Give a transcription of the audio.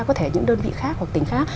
có thể những đơn vị khác hoặc tỉnh khác